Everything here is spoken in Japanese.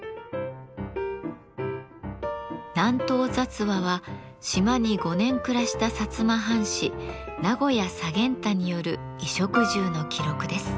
「南島雑話」は島に５年暮らした薩摩藩士名越左源太による衣食住の記録です。